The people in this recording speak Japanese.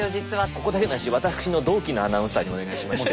ここだけの話私の同期のアナウンサーにお願いしまして。